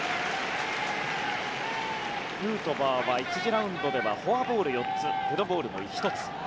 ヌートバーは１次ラウンドではフォアボール４つデッドボールも１つ。